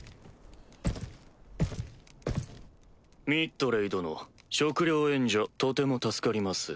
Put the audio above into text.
ミッドレイ殿食糧援助とても助かります。